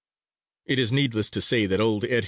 It is needless to say that old Ed.